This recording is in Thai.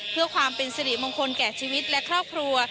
เพื่อความเป็นสิริมงคลแก่ชีวิตและครอบครัว